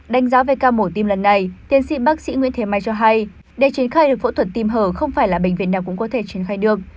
đánh giá về ca mổ tim lần này tiến sĩ bác sĩ nguyễn thế mai cho hay để triển khai được phẫu thuật tìm hở không phải là bệnh viện nào cũng có thể triển khai được